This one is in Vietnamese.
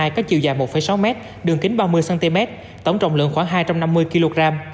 có chiều dài một sáu mét đường kính ba mươi cm tổng trọng lượng khoảng hai trăm năm mươi kg